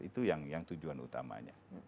itu yang tujuan utamanya